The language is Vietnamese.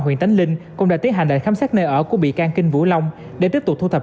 huyện tánh linh cũng đã tiến hành lệnh khám xét nơi ở của bị can kinh vũ long để tiếp tục thu thập